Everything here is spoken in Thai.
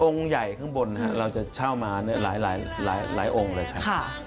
ใหญ่ข้างบนเราจะเช่ามาหลายองค์เลยครับ